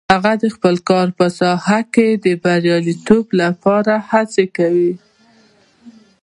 هغه د خپل کار په ساحه کې د بریالیتوب لپاره هڅې کوي